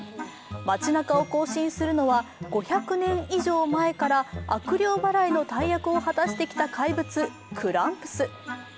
街なかを行進するのは５００年以上前から悪霊払いの大役を果たしてきた怪物、クランプス。